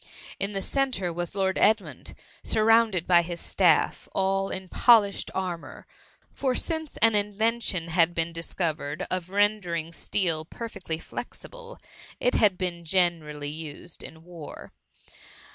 In the centre was Lord Edmund, surrounded by his staff, all in polished armour ; for since an inven tion had been discovered of rendering steel per fectly .fli^Kible, it had been generally used in ' war.